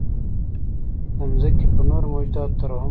د ځمکې په نورو موجوداتو ترحم نه کوئ.